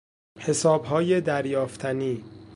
حسابهای دریافتنی